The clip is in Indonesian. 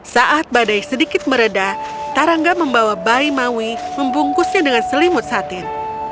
saat badai sedikit meredah tarangga membawa bayi maui membungkusnya dengan selimut satin